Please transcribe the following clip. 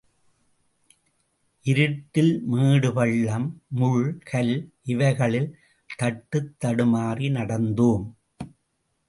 இருட்டில் மேடு பள்ளம் முள் கல் இவைகளில் தட்டுத் தடுமாறி நடந்தோம்.